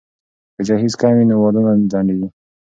که جهیز کم وي نو واده نه ځنډیږي.